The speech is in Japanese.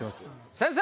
先生！